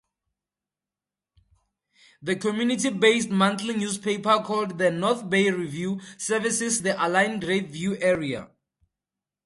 The community-based monthly newspaper called the "North Bay Review", services the Allyn-Grapeview area.